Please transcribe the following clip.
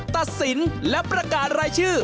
ตัดสินและประกาศรายชื่อ